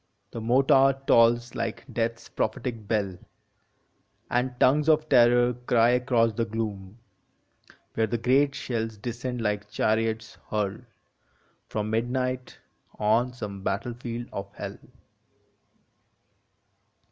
The mortar tolls like Death s prophetic bell, And tongues of terror cry across the gloom, Where the great shells descend like chariots hurled From midnight, on some battlefield of Hell.